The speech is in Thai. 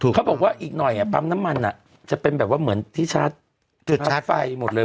เขาบอกว่าอีกหน่อยปั๊มน้ำมันจะเป็นแบบว่าเหมือนที่ชาร์จจุดชาร์จไฟหมดเลย